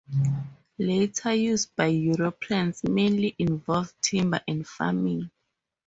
Later use by Europeans mainly involved timber and farming.